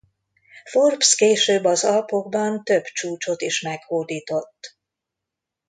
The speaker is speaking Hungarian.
Forbes később az Alpokban több csúcsot is meghódított.